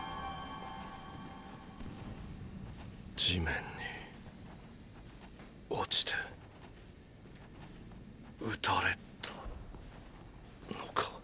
地面に落ちて撃たれたのか。